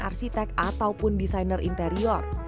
ataupun desainer interior